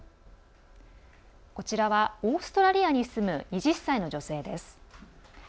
こちらはオーストラリアに住む２０歳の女性です。